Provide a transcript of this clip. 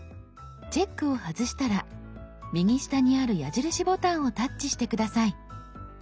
チェックを外したら右下にある矢印ボタンをタッチして下さい。